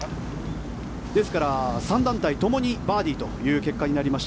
ですから、３団体ともにバーディーという結果になりました。